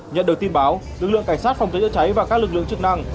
nhận được tin báo lực lượng cảnh sát phòng cháy chữa cháy và các lực lượng chức năng